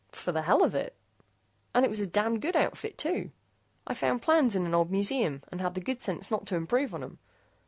"For the hell of it, and it was a damned good outfit, too. I found plans in an old museum, and had the good sense not to improve on 'em.